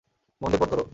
মন্দের পথ ধর।